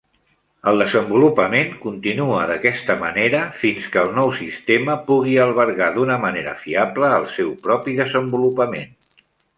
El desenvolupament continua d'aquesta manera fins que el nou sistema pugui albergar d'una manera fiable el seu propi desenvolupament.